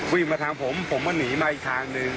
วิ่งมาทางผมผมก็หนีมาอีกทางหนึ่ง